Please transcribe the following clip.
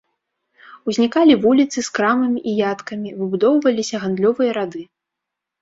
Узнікалі вуліцы з крамамі і яткамі, выбудоўваліся гандлёвыя рады.